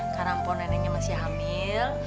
karena po neneknya masih hamil